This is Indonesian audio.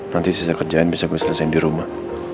nanti sisa kerjaan bisa gue selesaikan di rumah